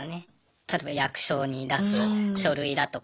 例えば役所に出す書類だとか